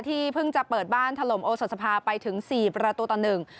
ที่เพิ่งจะเปิดบ้านถล่มโอสดสภาไปถึงสี่ประตูต่อหนึ่ง